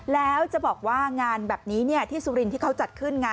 แล้วจะบอกว่างานแบบนี้ที่สุรินทร์ที่เขาจัดขึ้นไง